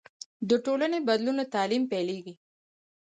د ټولنې بدلون له تعلیم پیلېږي.